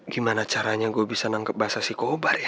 gimana caranya gue bisa nangkep basah si kobar ya